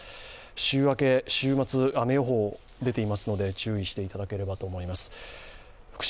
週明け、週末、雨予報が出ていますので、注意していただければと思います。